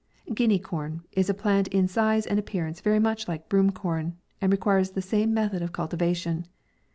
GUINEA CORN is a plant, in size and appearance very much like broom corn, and requires the same me thod of cultivation.